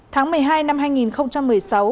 tháng một mươi hai năm hai nghìn một mươi sáu